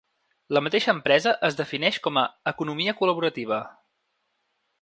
La mateixa empresa es defineix com a ‘economia col·laborativa’.